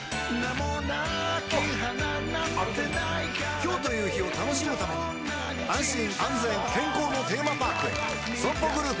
今日という日を楽しむために安心安全健康のテーマパークへＳＯＭＰＯグループ